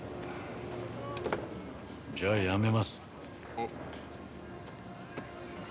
じゃあ、辞めます。